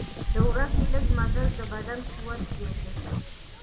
د ورځې لږ مزل د بدن قوت زیاتوي.